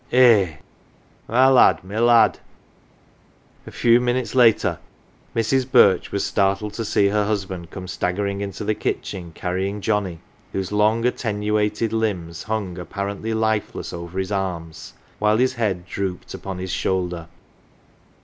" Eh ! my lad, my lad !" A few minutes later Mrs. Birch was startled to see her husband come staggering into the kitchen, carrying Johnnie, whose long attenuated limbs hung apparently lifeless over his arms, while his head drooped upon his shoulder.